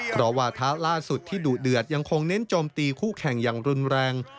เพราะว่าเท้าล่าสุดที่ดุเดือดยังคงเน้นโจมตีคู่แข่งอย่างรุนแรง